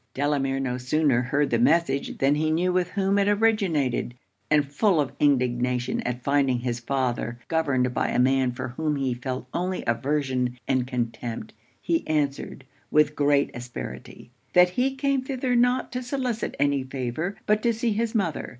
Delamere no sooner heard the message, than he knew with whom it originated; and full of indignation at finding his father governed by a man for whom he felt only aversion and contempt, he answered, with great asperity 'That he came thither not to solicit any favour, but to see his mother.